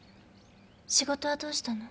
仕事はどうしたの？